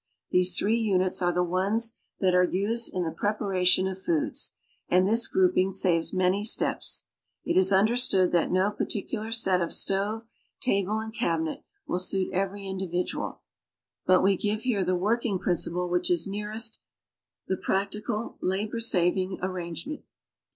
These three units are the ones that are used in the preparation of foods, and this grouping saves many steps. It is understood that no particular set of stove, table, and cabinet will suit every individual, but we give here the working principle which is nearest the practical labor saving IG arrangement.